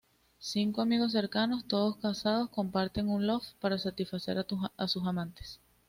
Cinco amigos cercanos, todos casados, comparten un loft para satisfacer a sus amantes.